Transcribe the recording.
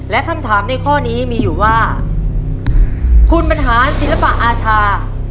และคำถามในข้อนี้มีอยู่ว่าคุณบรรหารศิลปะอาชา